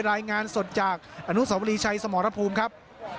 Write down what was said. รายงานสดจากอนุสาวรีชัยสมรภูมิครับ